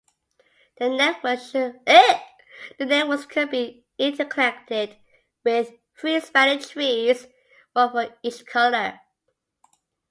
The networks could be interconnected with three spanning trees, one for each color.